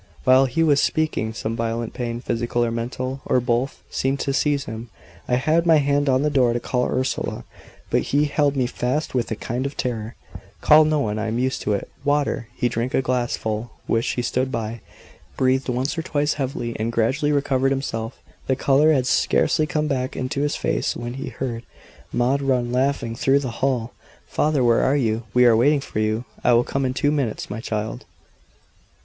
While he was speaking some violent pain physical or mental, or both seemed to seize him. I had my hand on the door to call Ursula, but he held me fast with a kind of terror. "Call no one. I am used to it. Water!" He drank a glassful, which stood by, breathed once or twice heavily, and gradually recovered himself. The colour had scarcely come back into his face when he heard Maud run laughing through the hall. "Father, where are you? We are waiting for you." "I will come in two minutes, my child."